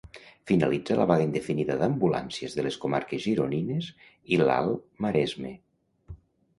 Finalitza la vaga indefinida d'ambulàncies de les comarques gironines i l'Alt Maresme.